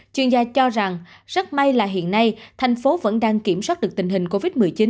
chuyên gia cho rằng rất may là hiện nay thành phố vẫn đang kiểm soát được tình hình covid một mươi chín